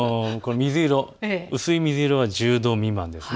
薄い水色が１０度未満です。